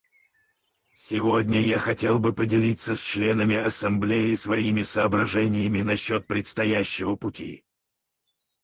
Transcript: Сегодня я хотел бы поделиться с членами Ассамблеи своими соображениями насчет предстоящего пути.